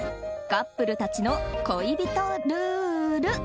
カップルたちの恋人ルール。